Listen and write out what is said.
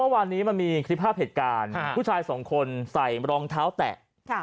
วันนี้มันมีคลิปภาพเหตุการณ์ผู้ชายสองคนใส่รองเท้าแตะ